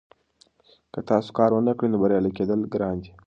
که تاسو کار ونکړئ نو بریالي کیدل ګران دي.